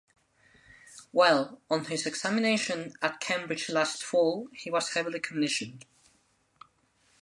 Well, on his examination at Cambridge last fall, he was heavily conditioned.